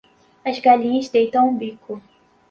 As galinhas deitam o bico.